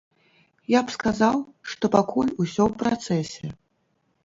Я б сказаў, што пакуль усё ў працэсе.